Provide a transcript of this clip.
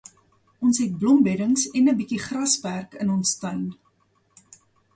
Ons het blombeddings en 'n bietjie grasperk in ons tuin.